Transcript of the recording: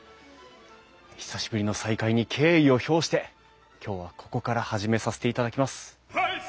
久しぶりの再会に敬意を表して今日はここから始めさせていただきます。